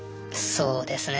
そうですね。